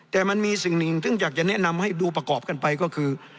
แต่มันมีสิ่งหนึ่งซึ่งอยากจะแนะนำให้ดูประกอบกันไปก็คือ